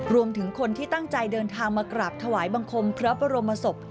รวมถึงคนที่ตั้งใจเดินทางมากราบถวายบังคมพระบรมศพ